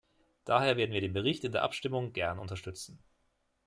Daher werden wir den Bericht in der Abstimmung gern unterstützen.